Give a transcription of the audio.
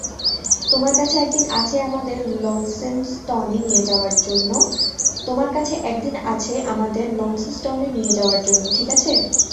তোমার কাছে একদিন আছে আমাদের লন্সেস্টনে নিয়ে যাওয়ার জন্য, ঠিকাছে?